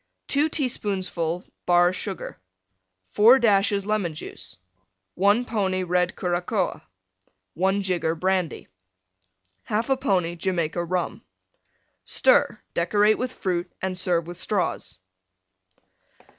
2 teaspoonfuls Bar Sugar. 4 dashes Lemon Juice. 1 pony Red Curacoa. 1 jigger Brandy. 1/2 pony Jamaica Rum. Stir; decorate with Fruit and Serve with Straws.